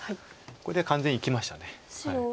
これで完全に生きました。